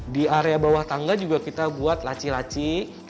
di area bawah tangga juga kita buat laci laci